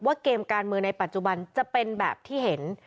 เกมการเมืองในปัจจุบันจะเป็นแบบที่เห็น